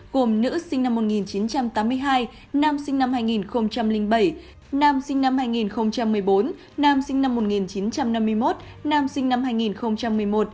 gồm nữ sinh năm một nghìn chín trăm tám mươi hai nam sinh năm hai nghìn bảy nam sinh năm hai nghìn một mươi bốn nam sinh năm một nghìn chín trăm năm mươi một nam sinh năm hai nghìn một mươi một